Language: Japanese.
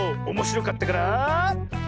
おもしろかったから。